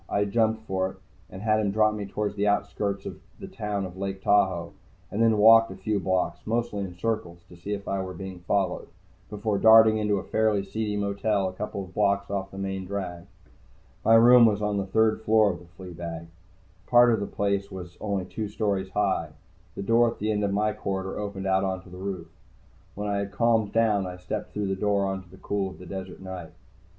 I jumped for it and had him drop me toward the outskirts of the town of Lake Tahoe, and then walked a few blocks, mostly in circles to see if I were being followed, before darting into a fairly seedy motel a couple blocks off the main drag. My room was on the third floor of the flea bag. Part of the place was only two stories high. The door at the end of my corridor opened out onto the roof. When I had calmed down, I stepped through the door into the cool of the desert night.